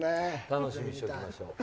楽しみにしときましょう。